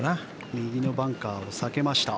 右のバンカーを避けました。